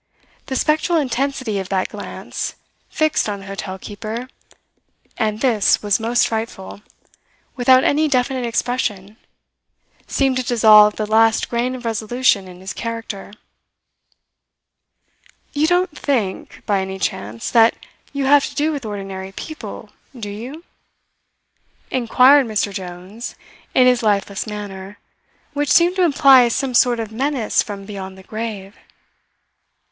The spectral intensity of that glance, fixed on the hotel keeper (and this was most frightful) without any definite expression, seemed to dissolve the last grain of resolution in his character. "You don't think, by any chance, that you have to do with ordinary people, do you?" inquired Mr. Jones, in his lifeless manner, which seemed to imply some sort of menace from beyond the grave.